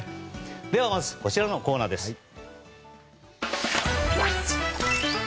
では、まずこちらのコーナーです。